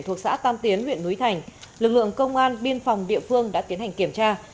thuộc xã tam tiến huyện núi thành lực lượng công an biên phòng địa phương đã tiến hành kiểm tra